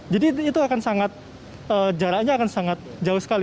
jadi itu akan sangat jaraknya akan sangat jauh sekali